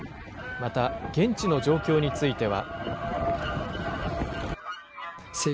また現地の状況については。